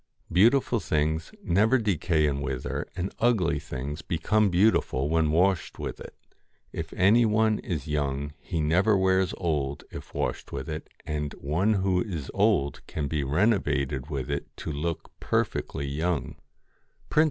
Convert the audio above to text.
Beautiful things never decay and wither, and ugly things become beautiful when washed with it. If any one is young he never wears old if washed with it, and one who is old can be renovated with it to look perfectly young.